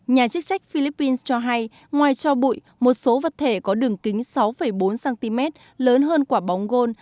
nhà chức trách philippines cho hay ngoài cho bụi một số vật thể có đường kính sáu bốn cm lớn hơn quả bóng gôn